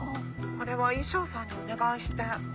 これは衣装さんにお願いして。